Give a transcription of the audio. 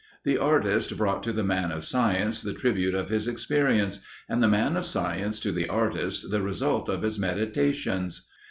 The artist brought to the man of science the tribute of his experience, and the man of science to the artist the result of his meditations.